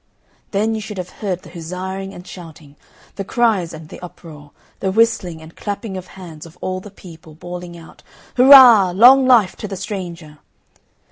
Then you should have heard the huzzaing and shouting, the cries and the uproar, the whistling and clapping of hands of all the people, bawling out, "Hurra! Long life to the stranger!"